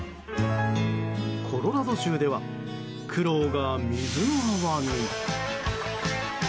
コロラド州では苦労が水の泡に。